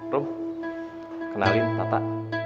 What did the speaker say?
rum kenalin tata